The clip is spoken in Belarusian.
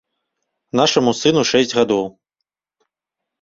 Нашаму сыну шэсць гадоў.